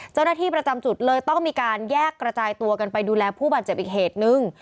เจ้าหน้าที่ประจำจุดเลยต้องมีการแยกกระจายตัวกันไปดูแลผู้บาดเจ็บอีกเหตุนึง